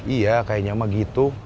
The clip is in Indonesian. iya kayaknya emang gitu